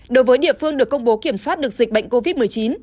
đối với địa phương được công bố kiểm soát được dịch bệnh covid một mươi chín